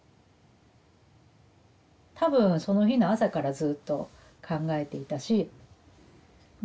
多分その日の朝からずっと考えていたしま